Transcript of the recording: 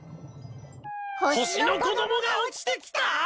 星の子供が落ちてきた！？